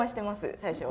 最初は。